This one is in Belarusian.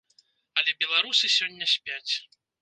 Але беларусы сёння спяць.